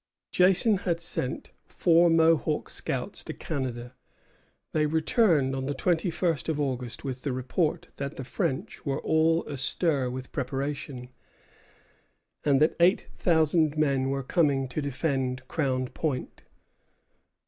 Johnson had sent four Mohawk scouts to Canada. They returned on the twenty first of August with the report that the French were all astir with preparation, and that eight thousand men were coming to defend Crown Point.